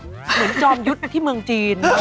เหมือนจอมยุทธ์ที่เมืองจีน